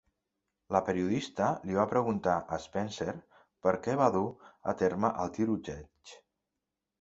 La periodista li va preguntar a Spencer per què va dur a terme el tiroteig.